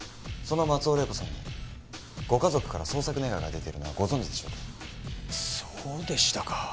その松尾玲子さんにご家族から捜索願が出てるのはご存じでしょうか？